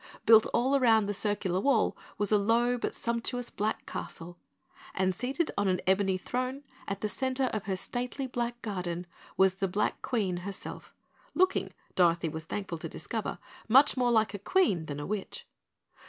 Built all round the circular wall was a low but sumptuous black castle, and seated on an ebony throne in the center of her stately black garden was the Black Queen herself, looking, Dorothy was thankful to discover, much more like a Queen than a witch.